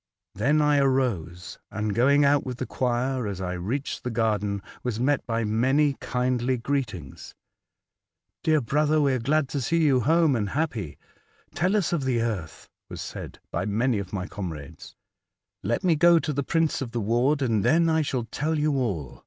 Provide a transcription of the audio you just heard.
Then I arose, and, going out with the choir, as 1 reached the garden, was met by many kindly greetings. *' Dear brother, we are glad to see you home 78 A Vo7jage to Other Worlds. and happy. Tell us of the earth," was said Jpy many of my comrades. " Let me go to the prince of the ward, and then I shall tell you all.